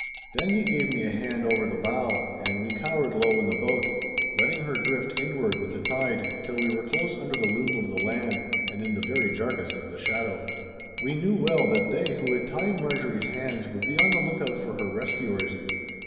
Then he gave me a hand over the bow, and we cowered low in the boat, letting her drift inward with the tide till we were close under the loom of the land and in the very darkest of the shadow. We knew well that they who had tied Marjorie's hands would be on the look out for her rescuers.